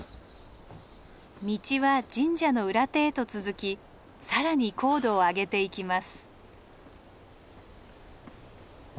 道は神社の裏手へと続き更に高度を上げていきます。